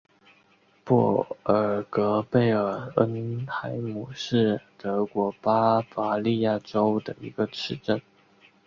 布尔格贝尔恩海姆是德国巴伐利亚州的一个市镇。